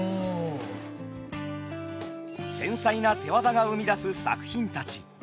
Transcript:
繊細な手業が生み出す作品たち。